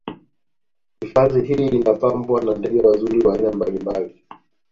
Hifadhii hii inapambwa na ndege wazuri wa aina mbalimbali